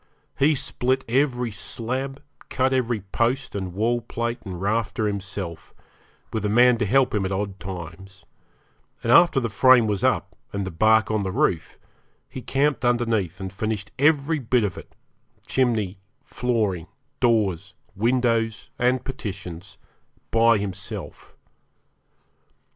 He split every slab, cut every post and wallplate and rafter himself, with a man to help him at odd times; and after the frame was up, and the bark on the roof, he camped underneath and finished every bit of it chimney, flooring, doors, windows, and partitions by himself.